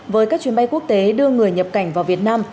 với các chuyến bay quốc tế đưa người nhập cảnh vào việt nam